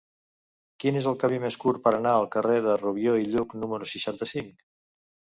Quin és el camí més curt per anar al carrer de Rubió i Lluch número seixanta-cinc?